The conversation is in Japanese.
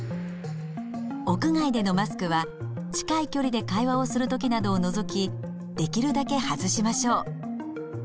屋外でのマスクは近い距離で会話をする時などを除きできるだけ外しましょう。